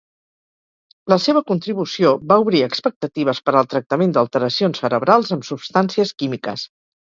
La seva contribució va obrir expectatives per al tractament d'alteracions cerebrals amb substàncies químiques.